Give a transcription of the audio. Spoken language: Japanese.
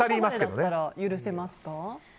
どこまでだったら許せますか？